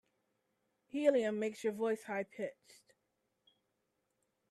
Helium makes your voice high pitched.